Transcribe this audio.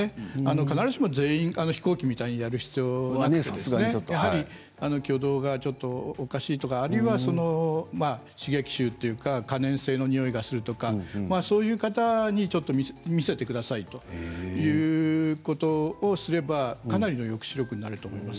必ずしも全員、飛行機みたいにやる必要は挙動がちょっとおかしいとかあるいは刺激臭、可燃性のにおいがするとか、そういう方に見せてくださいということをすれば、かなりの抑止力になると思います。